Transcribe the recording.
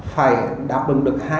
phải đáp ứng được